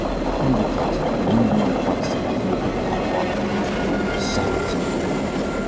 "A hundred thousand name your own price, if you will but not harm me." "Silence!" growled the man.